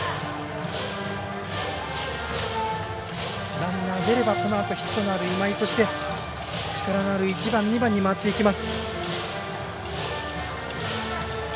ランナー出ればこのあとヒットのある今井そして、力のある１番、２番に回ってきます。